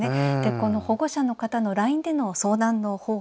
この保護者の方のＬＩＮＥでの相談の方法